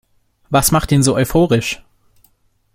Was macht ihn so euphorisch?